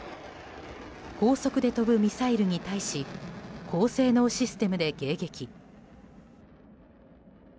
高速で飛ぶミサイルに対し高性能システムで迎撃。